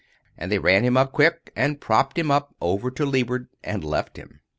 And they ran him up quick, and propped him up, over to leeward, and left him.